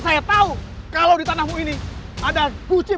bisa sama enak ketika dia ada di kucitu